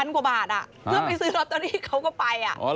กว่าบาทเพื่อไปซื้อลอตเตอรี่เขาก็ไป